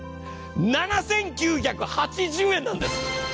７９８０円なんです！